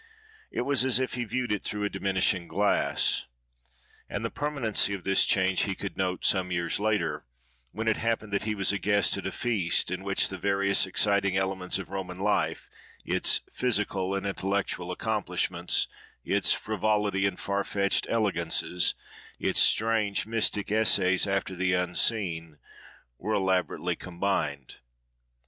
It was as if he viewed it through a diminishing glass. And the permanency of this change he could note, some years later, when it happened that he was a guest at a feast, in which the various exciting elements of Roman life, its physical and intellectual accomplishments, its frivolity and far fetched elegances, its strange, mystic essays after the unseen, were elaborately combined.